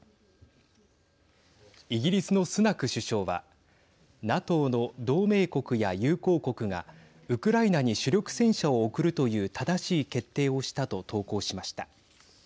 イギリスのスナク首相はＮＡＴＯの同盟国や友好国がウクライナに主力戦車を送るという正しい決定をしたと投稿しました。